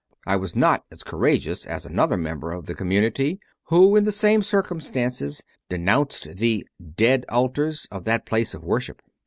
I was not as courageous as another member of the community, who, in the same circumstances, denounced the "dead altars " of that place of worship!